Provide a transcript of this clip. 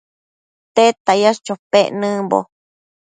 ¿Tedta yash chopec nëmbo ?